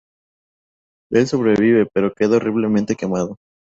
El sobrevive, pero queda horriblemente quemado.